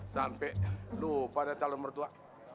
sampai lupa ada calon mertua